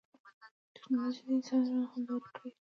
ټکنالوجي د انسان ژوند خوندي کړی دی.